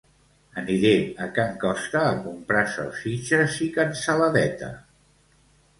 Aniré a can Costa a comprar salsitxes i cansaladeta